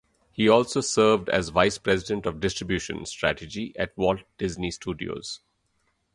He also served as Vice President of Distribution Strategy at Walt Disney Studios.